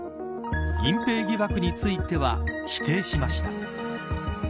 隠蔽疑惑については否定しました。